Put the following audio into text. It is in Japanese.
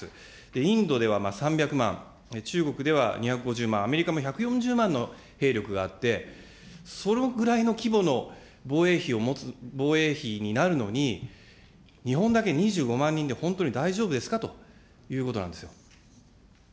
インドでは３００万、中国では２５０万、アメリカも１４０万の兵力があって、そのぐらいの規模の防衛費になるのに、日本だけ２５万人で本当に大丈夫ですかということなんですよ。